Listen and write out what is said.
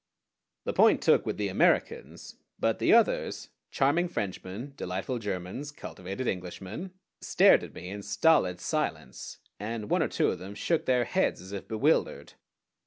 The point took with the Americans; but the others, charming Frenchmen, delightful Germans, cultivated Englishmen, stared at me in stolid silence, and one or two of them shook their heads as if bewildered.